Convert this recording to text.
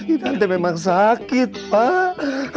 idan dia memang sakit pak